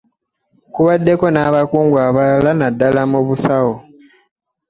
Kubaddeko n'abakungu abalala nnaddala mu busawo